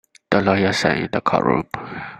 The lawyer sat in the courtroom.